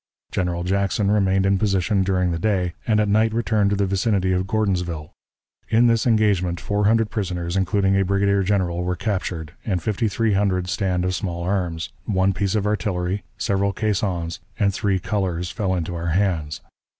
General Jackson remained in position during the day, and at night returned to the vicinity of Gordonsville. In this engagement 400 prisoners, including a brigadier general were captured, and 5,300 stand of small arms, one piece of artillery, several caissons, and three colors, fell into our hands.